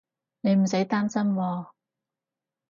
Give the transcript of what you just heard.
你唔使擔心喎